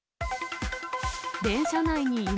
電車内に犬。